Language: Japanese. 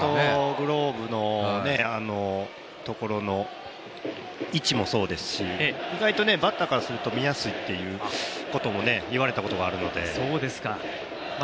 グローブのところの位置もそうですし、意外とバッターからすると見やすいっていうことも言われたことがあるので。